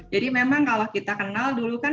jadi memang kalau kita kenal dulu kan